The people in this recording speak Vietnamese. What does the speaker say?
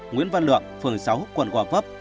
nguyễn văn lượng phường sáu quận quảng phấp